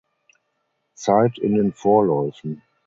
Zeit in den Vorläufen.